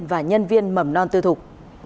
và nhân viên mầm non tư thục